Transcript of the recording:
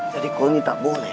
jadi kau ini tak boleh